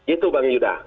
itu bang yuda